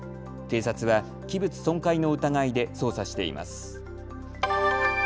警察は器物損壊の疑いで捜査しています。